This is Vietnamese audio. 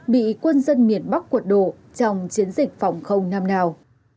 bị quân dân miền bắc quật đổ trong chiến dịch phòng không năm nào